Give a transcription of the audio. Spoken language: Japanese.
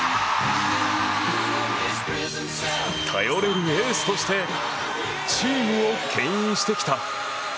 頼れるエースとしてチームを牽引してきた。